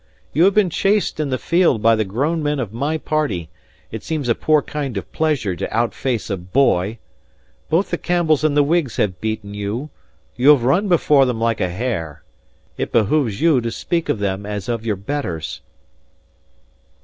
You have been chased in the field by the grown men of my party; it seems a poor kind of pleasure to out face a boy. Both the Campbells and the Whigs have beaten you; you have run before them like a hare. It behoves you to speak of them as of your betters."